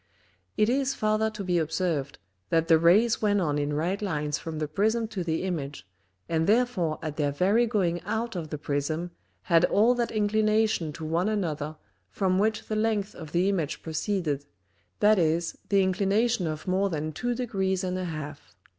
It is farther to be observed, that the Rays went on in right Lines from the Prism to the Image, and therefore at their very going out of the Prism had all that Inclination to one another from which the length of the Image proceeded, that is, the Inclination of more than two degrees and an half.